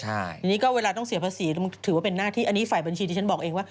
อันนี้ก็เวลาต้องเสียภาษีถือว่าเป็นหน้าที่อันนี้ฝ่ายบัญชีที่ฉันบอกเองว่า